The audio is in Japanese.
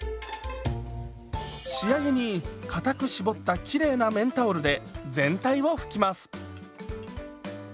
仕上げにかたく絞ったきれいな綿タオルで全体を拭きます。